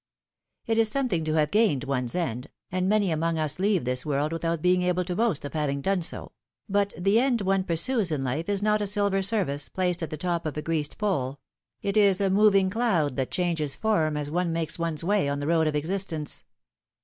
It is something to have gained one's end, and many among us leave this world without being able to boast of having done so ; but the end one pursues in life is not a silver service, placed at the top of a greased pole: it is a moving cloud that changes form, as one makes one's way on the road of existence.